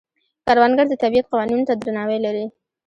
کروندګر د طبیعت قوانینو ته درناوی لري